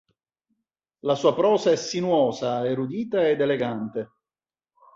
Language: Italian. La sua prosa è sinuosa, erudita ed elegante.